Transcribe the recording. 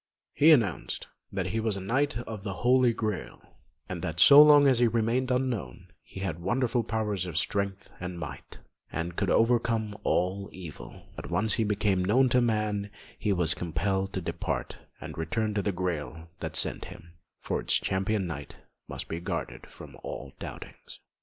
He announced that he was a knight of the Holy Grail, and that so long as he remained unknown, he had wonderful powers of strength and might, and could overcome all evil; but once he became known to man he was compelled to depart and return to the Grail that sent him, for its Champion Knight must be guarded from all doubtings.